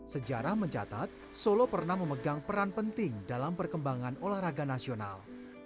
sejarah mencatat solo pernah memegang peran penting dalam perkembangan olahraga nasional